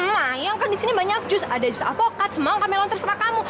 nah yang kan disini banyak jus ada jus apokat semang kameleon terserah kamu